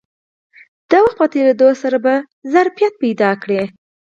د وخت په تېرېدو سره به ظرفیت پیدا کړي